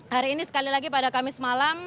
hari ini sekali lagi pada kamis malam